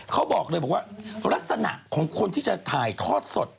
เขาบอกเลยบอกว่าลักษณะของคนที่จะถ่ายทอดสด